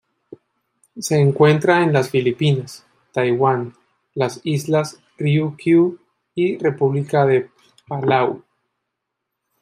Se encuentra en las Filipinas, Taiwán, las Islas Ryukyu y República de Palau.